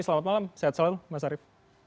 selamat malam sehat selalu mas arief